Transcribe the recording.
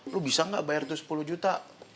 lu bisa nggak bayar tuh sepuluh juta